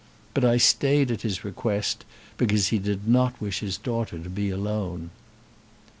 But I stayed at his request, because he did not wish his daughter to be alone."